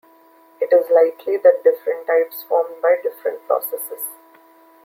It is likely that different types formed by different processes.